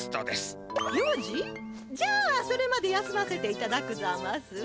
じゃあそれまで休ませていただくざます。